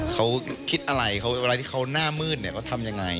เขาคิดอะไรเวลาที่เขาน่ามืดก็ทำยังไง